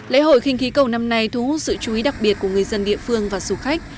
lễ hội khinh khí cầu năm nay thu hút sự chú ý đặc biệt của người dân địa phương và du khách